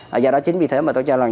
và do đó chính vì thế mà tôi cho rằng